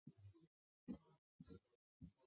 下面依照日语五十音排列。